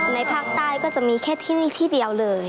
ภาคใต้ก็จะมีแค่ที่นี่ที่เดียวเลย